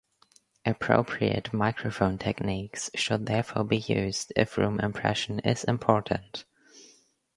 Appropriate microphone techniques should therefore be used, if room impression is important.